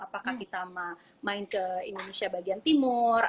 apakah kita main ke indonesia bagian timur